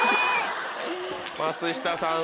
松下さん